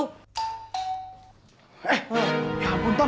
eh ya ampun ton